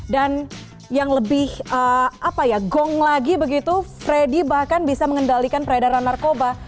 dan yang lebih gong lagi begitu freddy bahkan bisa mengendalikan peredaran narkoba